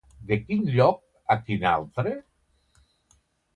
De quin lloc a quin altre?